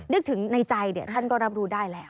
นึกถึงในใจท่านก็รับรู้ได้แล้ว